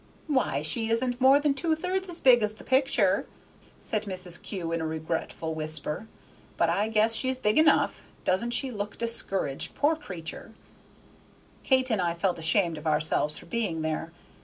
"Why, she isn't more than two thirds as big as the picture," said Mrs. Kew, in a regretful whisper; "but I guess she's big enough; doesn't she look discouraged, poor creatur'?" Kate and I felt ashamed of ourselves for being there.